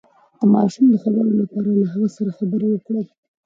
د ماشوم د خبرو لپاره له هغه سره خبرې وکړئ